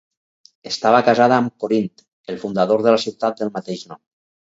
Estava casada amb Corint, el fundador de la ciutat del mateix nom.